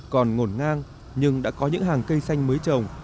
còn ngổn ngang nhưng đã có những hàng cây xanh mới trồng